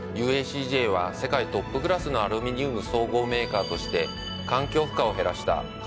「ＵＡＣＪ」は世界トップクラスのアルミニウム総合メーカーとして。